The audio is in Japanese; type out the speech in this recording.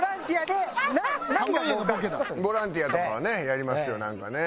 ボランティアとかはねやりますよなんかね。